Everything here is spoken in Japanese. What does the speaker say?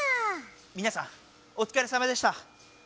みなさんおつかれさまでした。